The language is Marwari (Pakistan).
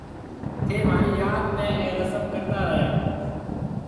ٿَي مهارِي ياد ۾ اَي رسم ڪرتا رھيَََا۔